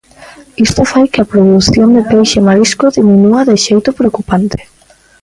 Isto fai que a produción de peixe e marisco diminúa de xeito preocupante.